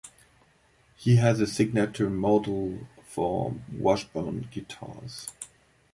He has a signature model for Washburn Guitars.